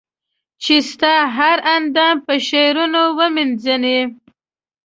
چي ستا هر اندام په شعرونو و مېنځنې